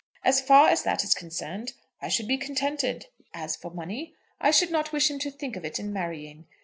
As far as that is concerned, I should be contented. As for money, I should not wish him to think of it in marrying.